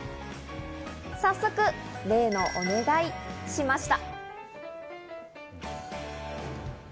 早速、例のお願いしました。